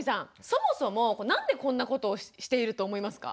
そもそもなんでこんなことをしていると思いますか？